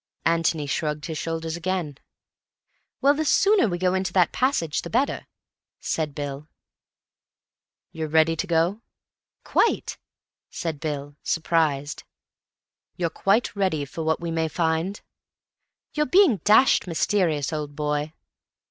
Antony shrugged his shoulders again. "Well, the sooner we go into that passage, the better," said Bill. "You're ready to go?" "Quite," said Bill, surprised. "You're quite ready for what we may find?" "You're being dashed mysterious, old boy."